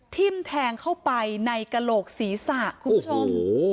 ทิ้มแทงเข้าไปในกระโหลกศีรษะคุณผู้ชม